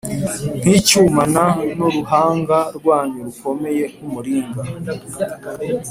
Nk icyuma n n uruhanga rwanyu rukomeye nk umuringa